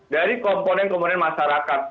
dari komponen komponen masyarakat